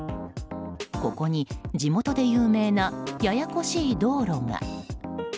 ここに、地元で有名なややこしい道路が。